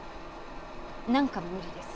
何か無理です。